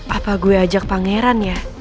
apa gue ajak pangeran ya